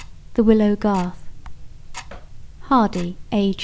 The Willow Garth HARDY, A.